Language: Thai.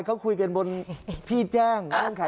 การเงินมันมีฝ่ายฮะ